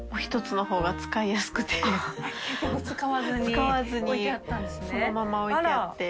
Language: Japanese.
使わずにそのまま置いてあって。